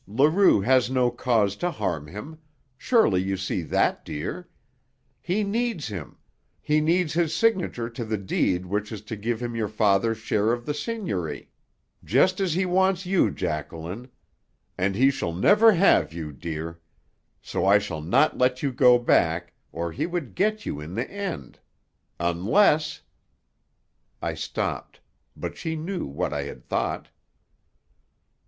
Leroux has no cause to harm him. Surely you see that, dear? He needs him he needs his signature to the deed which is to give him your father's share of the seigniory. Just as he wants you, Jacqueline. And he shall never have you, dear. So I shall not let you go back, or he would get you in the end. Unless " I stopped. But she knew what I had thought.